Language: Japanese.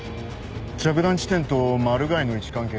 着弾地点とマルガイの位置関係